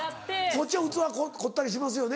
こっち器凝ったりしますよね。